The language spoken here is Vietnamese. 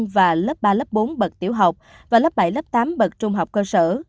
và lớp ba lớp bốn bậc tiểu học và lớp bảy lớp tám bậc trung học cơ sở